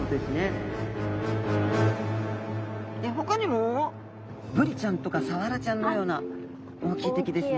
ほかにもブリちゃんとかサワラちゃんのような大きい敵ですね。